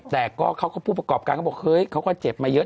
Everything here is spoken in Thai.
แต่เขาก็ผู้ประกอบการเขาบอกเฮ้ยเขาก็เจ็บมาเยอะ